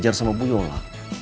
belajar sama bu yola